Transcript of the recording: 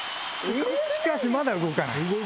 しかしまだ動かない。